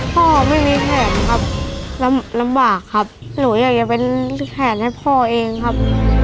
พ่อไม่มีแขนครับลำบากครับหนูอยากจะเป็นแขนให้พ่อเองครับ